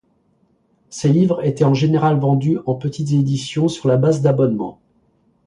Ces livres étaient en général vendus en petites éditions sur la base d'abonnements.